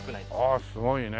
ああすごいね。